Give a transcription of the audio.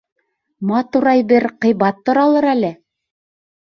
— Матур әйбер ҡыйбат торалыр әле?